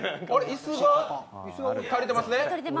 椅子、足りてますね。